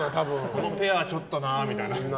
このペアはちょっとなみたいな。